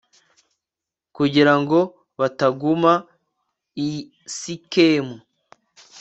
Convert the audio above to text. kugira ngo bataguma i sikemu